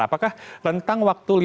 apakah rentang waktu itu